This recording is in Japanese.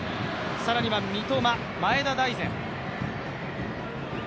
さらには三笘、前田大然。